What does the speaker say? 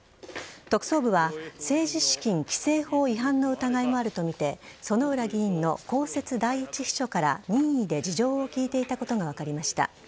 特捜部は政治資金規正法違反の疑いもあるとみて薗浦議員の公設第１秘書から任意で事情を聴いていたことが分かりました。